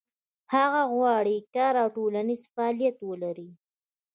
هغه غواړي کار او ټولنیز فعالیت ولري.